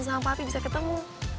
sama pak fi bisa ketemu